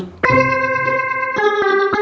tidak ada yang tahu